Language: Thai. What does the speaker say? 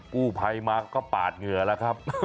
กู้ภัยมาก็ปาดเหงื่อแล้วครับ